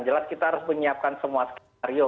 jelas kita harus menyiapkan semua skenario